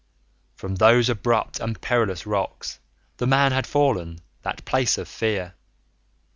From those abrupt and perilous rocks The Man had fallen, that place of fear!